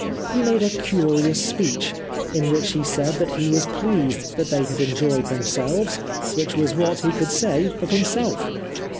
He made a curious speech, in which he said that he was pleased that they had enjoyed themselves, which was what he could say of himself.